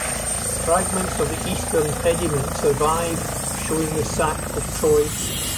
Fragments of the eastern pediment survive, showing the Sack of Troy.